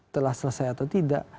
telah selesai atau tidak